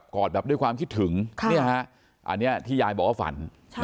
อดแบบด้วยความคิดถึงอันนี้ที่ยายบอกว่าฝัน